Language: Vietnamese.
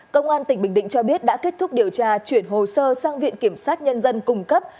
công an tỉnh bình định cho biết đã kết thúc điều tra chuyển hồ sơ sang viện kiểm sát nhân dân cung cấp